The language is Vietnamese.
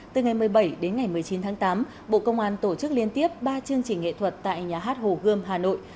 từ ngày một mươi bảy đến ngày một mươi chín tháng tám bộ công an tổ chức liên tiếp ba chương trình nghệ thuật tại nhà hát hồ gươm hà nội